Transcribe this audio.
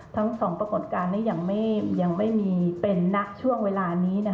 ทั้งสองปรากฏการณ์นี้ยังไม่มีเป็นณช่วงเวลานี้